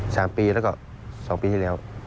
สามปีแล้วก็สองปีที่แล้ว